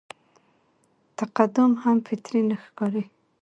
تقدم هم فطري نه ښکاري.